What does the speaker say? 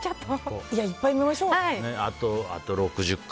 いや、いっぱい見ましょう。